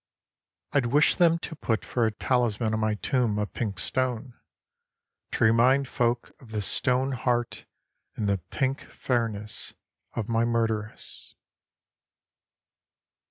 I'D wish them to put for a talisman on my tomb a pink stone ; To remind folk of the stone heart and the pink fairness of my murderess.